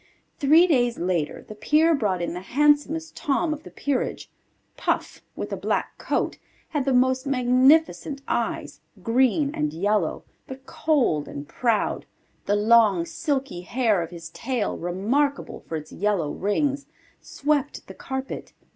Three days later the Peer brought in the handsomest Tom of the Peerage. Puff, with a black coat, had the most magnificent eyes, green and yellow, but cold and proud. The long silky hair of his tail, remarkable for its yellow rings, swept the carpet.